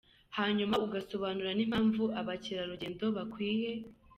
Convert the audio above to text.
hanyuma ugasobanura n’impamvu abakerarugendo bakwiye